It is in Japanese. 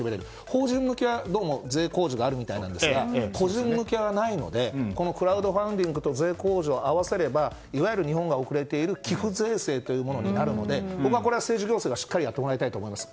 法人向けは、どうも税控除があるみたいなんですが個人向けはないのでこのクラウドファンディングと税控除を併せればいわゆる日本が遅れている寄付税制というものになるので僕はこれは政治行政がやってもらいたいと思います。